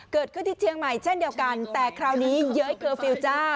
เกิดเคสที่เชียงใหม่เช่นเดียวกันแต่คราวนี้เยอะไอ้เกิร์ลฟิวเจ้า